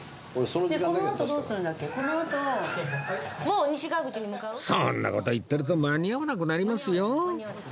そんな事言ってると間に合わなくなりますよ？